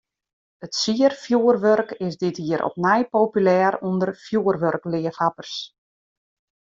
It sierfjurwurk is dit jier opnij populêr ûnder fjurwurkleafhawwers.